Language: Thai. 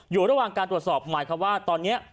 อยู่ระหว่างการตรวจสอบหมายความว่าตอนนี้